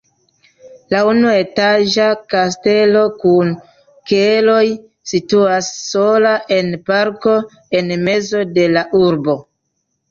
La unuetaĝa kastelo kun keloj situas sola en parko en mezo de la urbo.